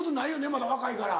まだ若いから。